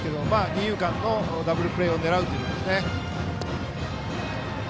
二遊間のダブルプレーを狙うということですね。